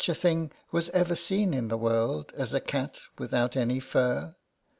87 a thing was ever seen in the world as a cat without any fur.